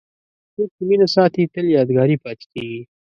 څوک چې مینه ساتي، تل یادګاري پاتې کېږي.